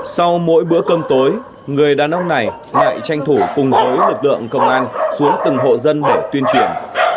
sau mỗi bữa cơm tối người đàn ông này lại tranh thủ cùng với lực lượng công an xuống từng hộ dân để tuyên truyền